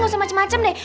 gak usah macem macem deh